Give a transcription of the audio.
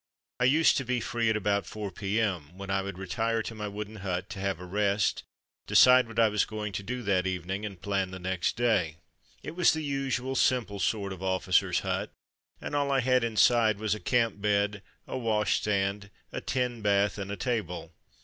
I used to be free at about 4 p.m. when I would retire to my wooden hut to have a rest, decide what I was going to do that evening, and plan the next day. It was the usual simple sort of officer's hut, and all I had inside was a camp bed, a wash stand, a tin bath, and a table.